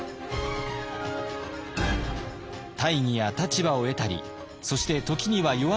大義や立場を得たりそして時には弱みを見せたり。